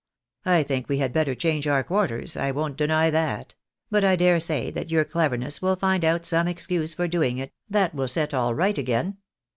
I think we had better change our quarters, I won't deny that ; but I dare say that your cleverness will find out some excuse for doing it, that will set all right again.